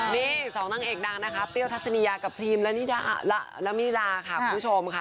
นี่๒นางเอกดังนะคะปรีโยทัศนียากับพรีมระนีดาค่ะเพื่อไปชมค่ะ